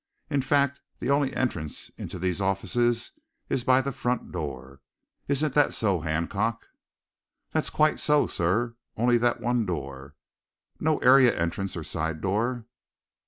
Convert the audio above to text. In fact, the only entrance into these offices is by the front door. Isn't that so, Hancock?" "That's quite so, sir only that one door." "No area entrance or side door?"